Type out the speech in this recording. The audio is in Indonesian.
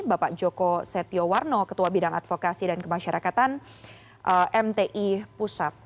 bapak joko setiowarno ketua bidang advokasi dan kemasyarakatan mti pusat